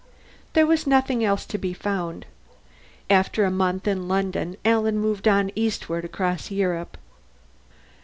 There was nothing else to be found. After a month in London, Alan moved on eastward across Europe.